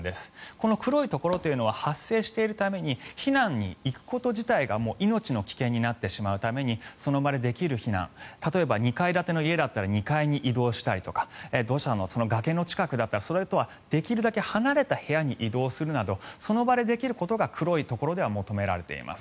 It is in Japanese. この黒いところは発生しているために避難に行くこと自体がもう命の危険になってしまうためにその場でできる避難例えば、２階建ての家だったら２階に移動したりとか崖の近くだったらそれとはできるだけ離れた部屋に移動するなどその場でできることが黒いところでは求められています。